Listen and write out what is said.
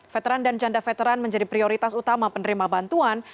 veteran dan janda veteran menjadi prioritas utama penerima bantuan